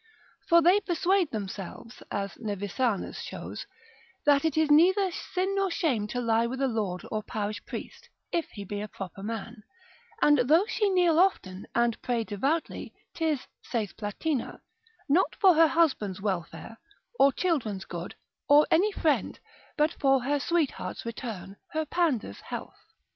For they persuade themselves, as Nevisanus shows, That it is neither sin nor shame to lie with a lord or parish priest, if he be a proper man; and though she kneel often, and pray devoutly, 'tis (saith Platina) not for her husband's welfare, or children's good, or any friend, but for her sweetheart's return, her pander's health.